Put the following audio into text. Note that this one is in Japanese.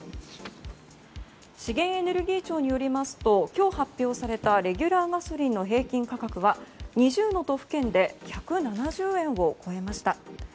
資源エネルギー庁によりますと今日発表されたレギュラーガソリンの平均価格は２０の都府県で１７０円を超えました。